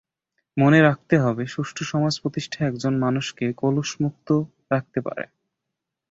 মনে রাখতে হবে, সুষ্ঠু সমাজ প্রতিষ্ঠাই একজন মানুষকে কলুষমুক্ত রাখতে পারে।